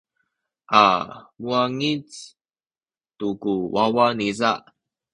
a muwangic tu ku wawa niza.